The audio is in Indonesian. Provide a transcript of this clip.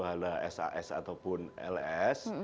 barang itu ada sas ataupun ls